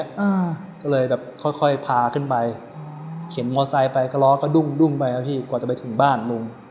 ก็เลยค่อยพาขึ้นไปเข็นมอเตอร์ไซค์ไปกระล้อก็ดุ้งไปก่อนจะไปถึงบ้านลุง